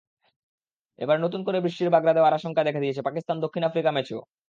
এবার নতুন করে বৃষ্টির বাগড়া দেওয়ার আশঙ্কা দেখা দিয়েছে পাকিস্তান-দক্ষিণ আফ্রিকা ম্যাচেও।